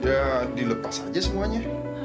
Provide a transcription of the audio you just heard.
ya dilepas aja semuanya